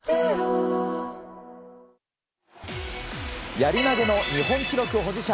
やり投げの日本記録保持者